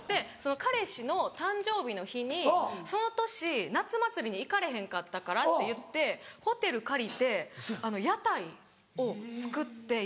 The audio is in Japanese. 彼氏の誕生日の日にその年夏祭りに行かれへんかったからといってホテル借りて屋台を作っていっぱい。